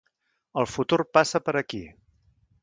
El futur passa per aquí.